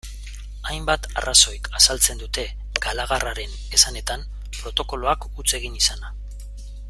Hainbat arrazoik azaltzen dute, Galarragaren esanetan, protokoloak huts egin izana.